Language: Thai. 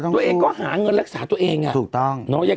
ตัวเองหาเงินแลกษาตัวเอง